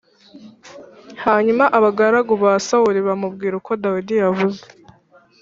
Hanyuma abagaragu ba Sawuli bamubwira uko Dawidi yavuze.